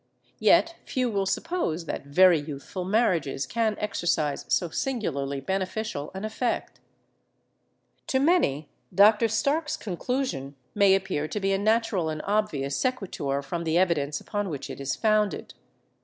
Yet few will suppose that very youthful marriages can exercise so singularly beneficial an effect. To many Dr. Stark's conclusion may appear to be a natural and obvious sequitur from the evidence upon which it is founded.